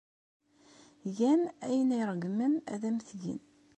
Gan ayen ay ṛeggmen ad am-t-gen.